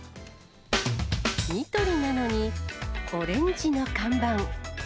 ニトリなのに、オレンジの看板。